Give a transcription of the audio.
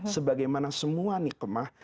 sebagaimana semua nikmah